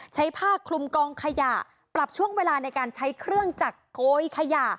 ใช้ผ้าคลุมกองขยะปรับช่วงเวลาในการใช้เครื่องจักรโกยขยะ